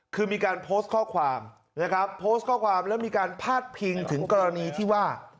คือมีการโพสต์ข้อความนะครับโพสต์ข้อความแล้วมีการพาดพิงถึงกรณีที่ว่า